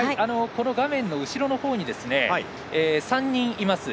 画面の後ろのほうに３人います。